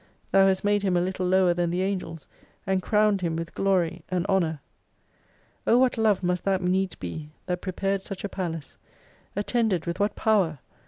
Thou hast made him a little lower than the angels, and crowned him with glory and honour. O what love must that needs be, that prepared such a palace ! At tended with what power